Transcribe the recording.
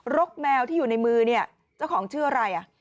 กแมวที่อยู่ในมือเนี่ยเจ้าของชื่ออะไรอ่ะ